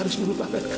di dalam hati aku